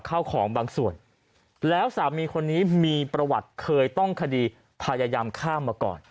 เข้าของบางส่วนแล้วสามีคนนี้มีประวัติเคยต้องคดีพยายามฆ่ามาก่อน